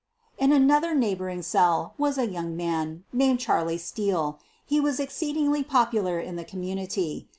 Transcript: In another neighboring cell was a young man named Charlie Steele. He was exceedingly popular in the community.